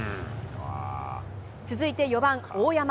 続いて４番大山。